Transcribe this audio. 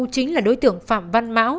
chính là đối tượng phạm văn mão